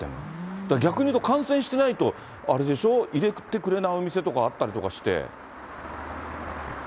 だから、逆に言うと感染してないと、あれでしょ、入れてくれないお店とかあったりとかして。